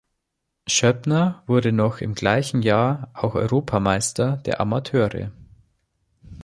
Schöppner wurde noch im gleichen Jahr auch Europameister der Amateure.